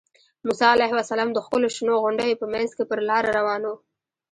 موسی علیه السلام د ښکلو شنو غونډیو په منځ کې پر لاره روان و.